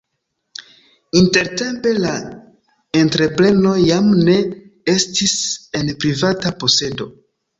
Intertempe la entrepreno jam ne estis en privata posedo.